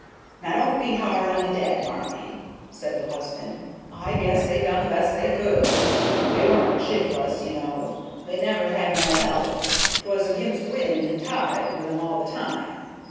"Now don't be hard on the dead, Marthy," said her husband. "I guess they done the best they could. They weren't shif'less, you know; they never had no health; 't was against wind and tide with 'em all the time."